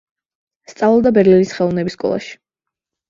სწავლობდა ბერლინის ხელოვნების სკოლაში.